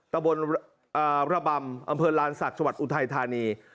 ตะบนระบำอำเภอรานศัตรูชวัดอุทัยธานี